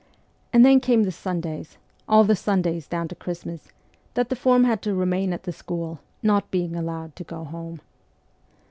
And then came the Sundays all the Sundays down to Christmas that the form had to remain at the school, not being allowed to go home.